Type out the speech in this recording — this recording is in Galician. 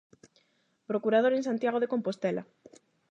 Procurador en Santiago de Compostela.